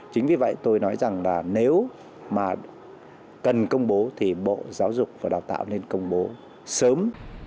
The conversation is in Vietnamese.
chính vì vậy tôi nói rằng là nếu mà cần công bố thì bộ giáo dục và đào tạo nên công bố sớm